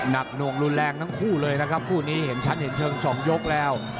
หน่วงรุนแรงทั้งคู่เลยนะครับคู่นี้เห็นชัดเห็นเชิงสองยกแล้ว